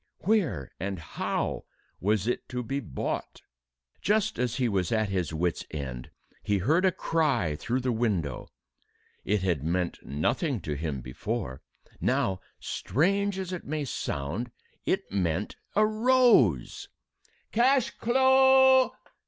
Where and how was it to be bought? Just as he was at his wit's end, he heard a cry through the window. It had meant nothing to him before. Now strange as it may sound it meant a rose! "Cash clo'!